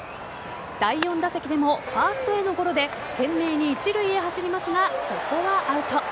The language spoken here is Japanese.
第４打席でもファーストへのゴロで懸命に一塁へ走りますがここはアウト。